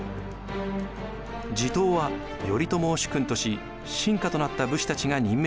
地頭は頼朝を主君とし臣下となった武士たちが任命されました。